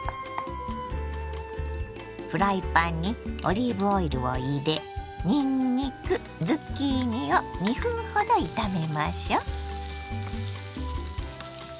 フライパンにオリーブオイルを入れにんにくズッキーニを２分ほど炒めましょ。